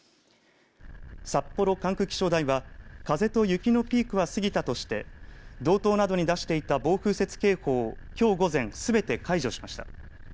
札幌管区気象台は風と雪のピークは過ぎたとして道東などに出していた暴風雪警報をきょう午前すべて解除しました。